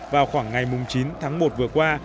vào khoảng ngày chín tháng một vừa qua